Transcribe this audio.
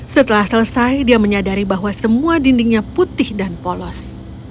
setelah selesai dia menyadari bahwa semua dindingnya putih dan polos